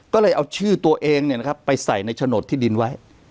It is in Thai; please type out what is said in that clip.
ก็เลยเอาชื่อตัวเองไปใส่ในโฉนดที่ดินไว้